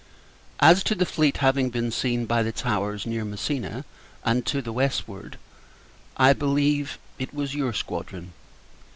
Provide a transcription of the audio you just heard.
As to the fleet having been seen by the Towers near Messina, and to the westward I believe, it was your squadron.